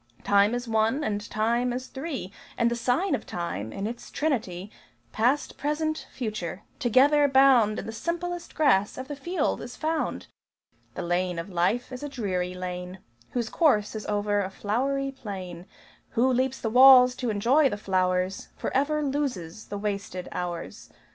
Time is one, and Time is three: And the sign of Time, in its Trinity Past, Present, Future, together bound In the simplest grass of the field is found! The lane of life is a dreary lane Whose course is over a flowery plain. Who leaps the walls to enjoy the flowers Forever loses the wasted hours.